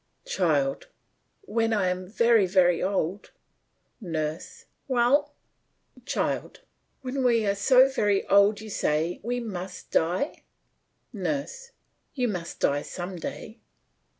CHILD: When I am very, very old NURSE: Well? CHILD: When we are so very old you say we must die? NURSE: You must die some day.